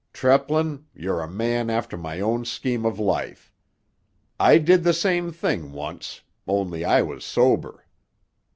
Treplin, you're a man after my own scheme of life; I did the same thing once—only I was sober.